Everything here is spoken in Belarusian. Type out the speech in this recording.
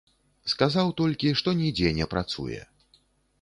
Сказаў толькі, што нідзе не працуе.